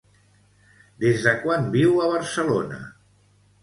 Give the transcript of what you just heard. Des de quan viu a Barcelona?